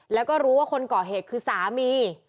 แล้วก็รู้ว่าคนก่อเหตุคือสามี